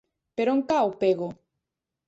Per on cau Pego?